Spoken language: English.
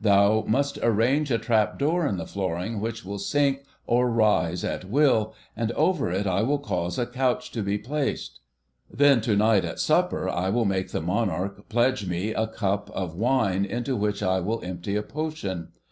'Thou must arrange a trap door in the flooring, which will sink or rise at will, and over it I will cause a couch to be placed. 'Then, to night, at supper, I will make the Monarch pledge me in a cup of wine, into which I will empty a potion.